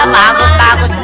bagus bagus semua iya